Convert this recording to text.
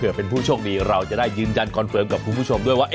เพื่อเป็นผู้โชคดีเราจะได้ยืนยันคอนเฟิร์มกับคุณผู้ชมด้วยว่า